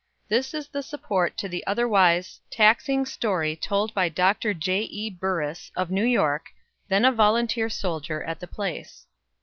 This is the support to the otherwise taxing story told by Doctor J. E. Burriss, of New York, then a volunteer soldier at the place.